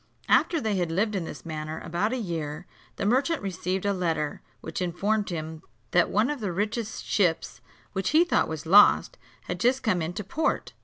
After they had lived in this manner about a year, the merchant received a letter, which informed him that one of the richest ships, which he thought was lost, had just come into port.